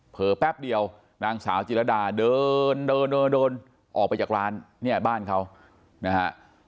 แป๊บเดียวนางสาวจิรดาเดินเดินเดินออกไปจากร้านเนี่ยบ้านเขานะฮะ